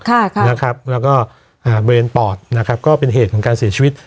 แล้วก็บริเวณปอดก็เป็นเหตุของการเสียชีวิต